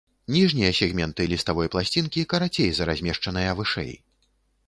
Ніжнія сегменты ліставой пласцінкі карацей за размешчаныя вышэй.